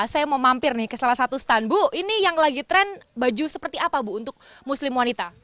saya mau mampir nih ke salah satu stand bu ini yang lagi tren baju seperti apa bu untuk muslim wanita